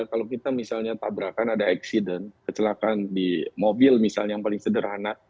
kalau kita misalnya tabrakan ada acciden kecelakaan di mobil misalnya yang paling sederhana